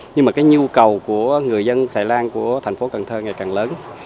nhưng mà cái nhu cầu của người dân sài lan của thành phố cần thơ ngày càng lớn